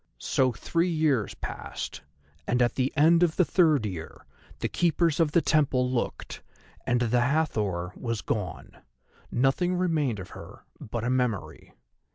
So three years passed, and at the end of the third year the keepers of the temple looked and the Hathor was gone. Nothing remained of her but a memory.